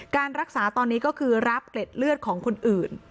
การรักษาตอนนี้ก็คือรับเกล็ดเลือดของคนอื่น